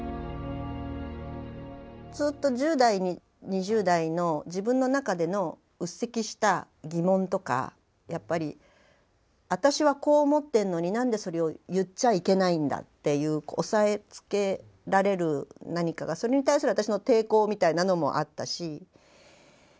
ずっと１０代２０代の自分の中での鬱積した疑問とかやっぱり私はこう思ってんのに何でそれを言っちゃいけないんだっていう押さえつけられる何かがそれに対する私の抵抗みたいなのもあったし。